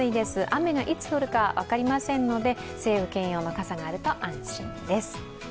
雨がいつ降るか分かりませんので、晴雨兼用の傘があると安心です。